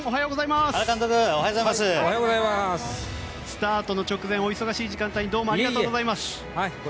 スタートの直前のお忙しい時間帯にどうもありがとうございます。